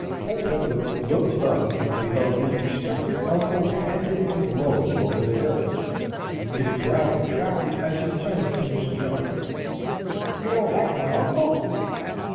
Culpepper looked up and beheld his respected uncle panting and blowing over the hill. His brow contracted as he turned to Miss Jo: "You don't like my uncle!"